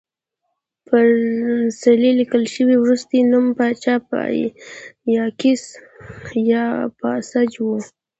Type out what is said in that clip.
پر څلي لیکل شوی وروستی نوم پاچا یاکس پاساج و